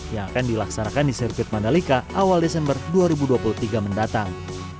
yang akan dilaksanakan di sirkuit mandalika awal desember dua ribu dua puluh tiga mendatang